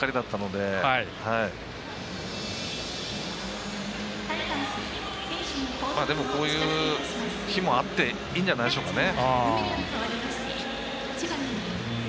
でも、こういう日もあっていいんじゃないでしょうかね。